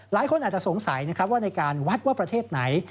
หลายคนอาจจะสงสัยนะครับว่าในการวัดว่าประเทศไหน